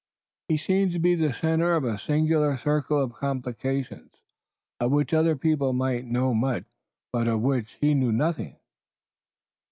He, seemed to be the center of a singular circle of complications, of which other people might know much, but of which he knew nothing.